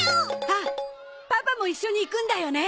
あっパパも一緒に行くんだよね。